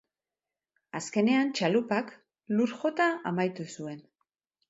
Azkenean, txalupak lur jota amaitu zuen.